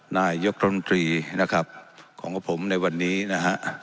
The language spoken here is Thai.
นายกรัฐมนตรีนะครับของกับผมในวันนี้นะฮะ